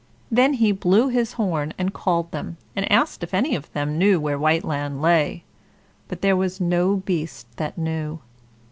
Then he blew his horn and called them, and asked if any of them knew where Whiteland lay. But there was no beast that knew.